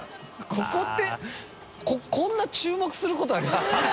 ここって海鵑注目することあります？